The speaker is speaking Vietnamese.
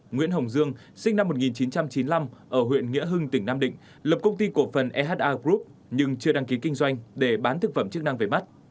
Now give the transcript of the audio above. nguyễn hồng dương sinh năm một nghìn chín trăm chín mươi năm ở huyện nghĩa hưng tỉnh nam định lập công ty cổ phần eha group nhưng chưa đăng ký kinh doanh để bán thực phẩm chức năng về bắt